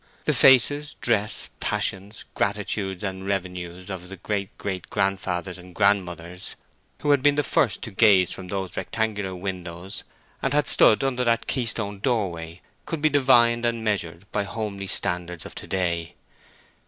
The faces, dress, passions, gratitudes, and revenues of the great great grandfathers and grandmothers who had been the first to gaze from those rectangular windows, and had stood under that key stoned doorway, could be divined and measured by homely standards of to day.